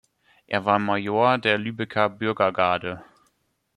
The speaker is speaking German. Er war Major der Lübecker Bürgergarde.